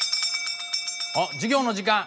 あっ授業の時間。